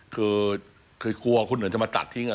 คือคือกลัวคุณเหนินจะมาตัดทิ้งอ่ะ